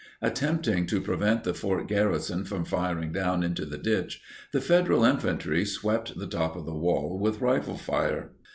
Attempting to prevent the fort garrison from firing down into the ditch, the Federal infantry swept the top of the wall with rifle fire.